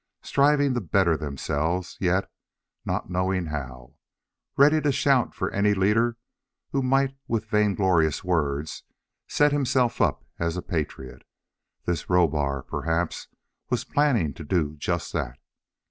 Striving to better themselves, yet, not knowing how. Ready to shout for any leader who might with vainglorious words set himself up as a patriot. This Rohbar, perhaps, was planning to do just that.